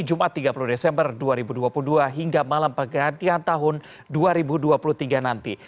jumat tiga puluh desember dua ribu dua puluh dua hingga malam pergantian tahun dua ribu dua puluh tiga nanti